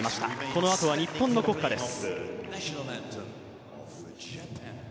このあとは日本の国歌です。